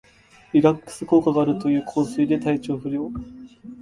リラックス効果があるという香水で体調不良